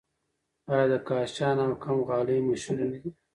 آیا د کاشان او قم غالۍ هم مشهورې نه دي؟